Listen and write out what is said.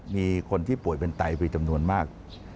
มีคนที่ป่วยเป็นไตไปจำนวนมาก